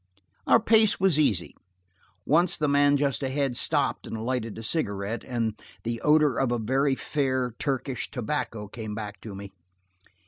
Our pace was easy. Once the man just ahead stopped and lighted a cigarette, and the odor of a very fair Turkish tobacco came back to me.